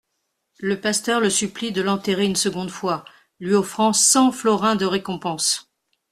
Le pasteur le supplie de l'enterrer une seconde fois, lui offrant cent florins de récompense.